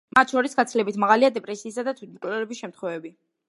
მათ შორის გაცილებით მაღალია დეპრესიისა და თვითმკვლელობის შემთხვევები.